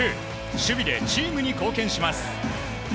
守備でチームに貢献します。